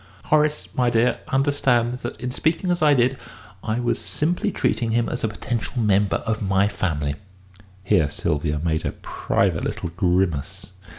"Horace, my dear, understands that, in speaking as I did, I was simply treating him as a potential member of my family." Here Sylvia made a private little grimace.